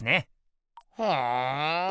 ふん？